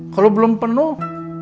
kalo belum penuh